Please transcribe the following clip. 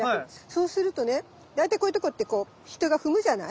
そうするとね大体こういうとこってこう人が踏むじゃない？